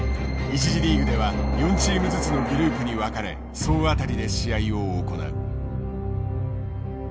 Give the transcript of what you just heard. １次リーグでは４チームずつのグループに分かれ総当たりで試合を行う。